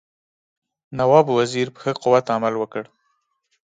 نواب وزیر په ښه قوت عمل وکړ.